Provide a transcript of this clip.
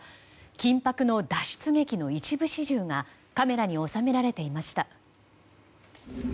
緊迫の脱出劇の一部始終がカメラに収められていました。